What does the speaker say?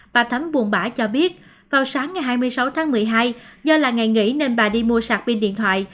bà thấm buồn bã cho biết vào sáng ngày hai mươi sáu tháng một mươi hai do là ngày nghỉ nên bà đi mua sạc pin điện thoại